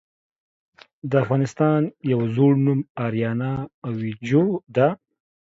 د افغانستان يو ﺯوړ نوم آريانا آويجو ده .